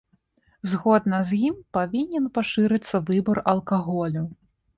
Згодна з ім павінен пашырыцца выбар алкаголю.